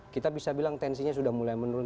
kita bisa bilang tensinya sudah mulai menurun